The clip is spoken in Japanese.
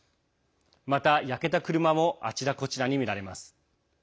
また、焼けた車もあちらこちらに見られます。